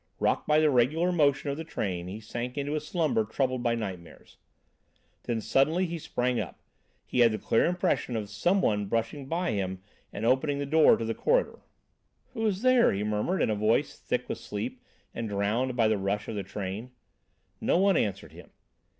Rocked by the regular motion of the train he sank into a slumber troubled by nightmares. Then suddenly he sprang up. He had the clear impression of some one brushing by him and opening the door to the corridor. "Who is there?" he murmured in a voice thick with sleep and drowned by the rush of the train. No one answered him.